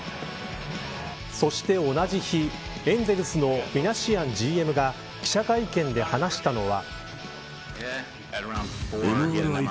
そして同じ日エンゼルスのミナシアンＧＭが記者会見で話したのは。